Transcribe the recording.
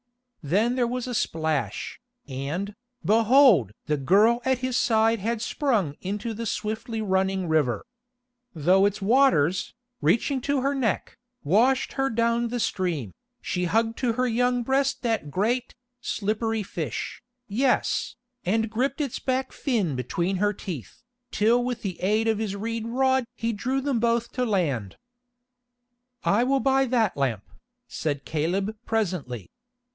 Then there was a splash, and, behold! the girl at his side had sprung into the swiftly running river. Though its waters, reaching to her neck, washed her down the stream, she hugged to her young breast that great, slippery fish, yes, and gripped its back fin between her teeth, till with the aid of his reed rod he drew them both to land. "I will buy that lamp," said Caleb presently.